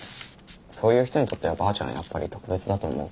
そういう人にとってはばあちゃんはやっぱり特別だと思うから。